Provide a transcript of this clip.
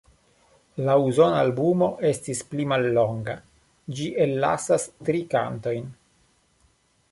La Usona albumo estis pli mallonga; ĝi ellasas tri kantojn.